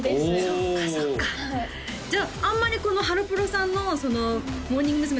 そっかそっかじゃああんまりこのハロプロさんのモーニング娘。